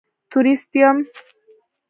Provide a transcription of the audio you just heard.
تورېست یم.